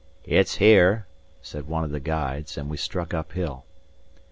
"It's here," said one of the guides, and we struck up hill.